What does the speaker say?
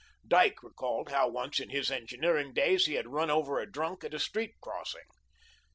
Dyke recalled how once in his engineering days he had run over a drunk at a street crossing.